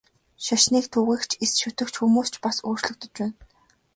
Шашныг шүтэгч, эс шүтэгч хүмүүс ч бас өөрчлөгдөж байна.